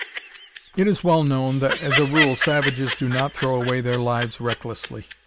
It is well known that, as a rule, savages do not throw away their lives recklessly.